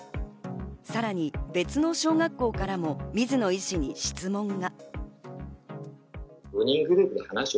さらに別の小学校からも水野医師に質問が。